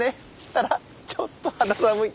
ただちょっと肌寒い。